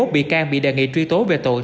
hai mươi một bị can bị đề nghị truy tố về tội